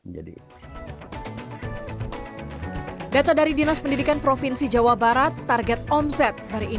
menjadi peluang peluang yang lebih transparan